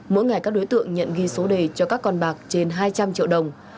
mỗi ngày các đối tượng nhận ghi số đề cho các con bạc trên hai trăm linh triệu đồng